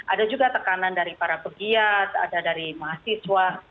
ada juga tekanan dari para pegiat ada dari mahasiswa